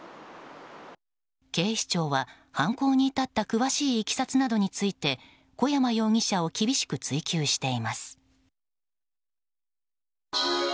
警視庁は犯行に至った詳しいいきさつなどについて小山容疑者を厳しく追及しています。